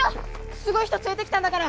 すごい人連れてきたんだから！